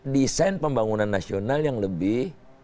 desain pembangunan nasional yang lebih